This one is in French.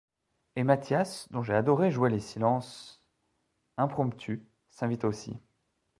Et Mathias, dont j’ai adoré jouer les silences… …… impromptus, s’invite aussi.